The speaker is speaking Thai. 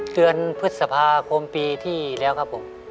เดือนพฤษภาคมปีที่แล้วครับผม